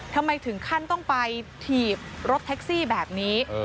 ทำไมถึงขั้นต้องไปถีบรถแท็กซี่แบบนี้